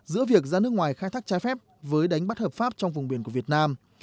giữa việc ra nước ngoài khai thác trái phép với đánh bắt hợp pháp trong vùng biển của việt nam